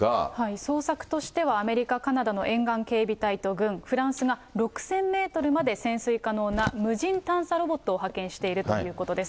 捜索としては、アメリカ、カナダの沿岸警備隊と軍、フランスが、６０００メートルまで潜水可能な無人探査ロボットを派遣しているということです。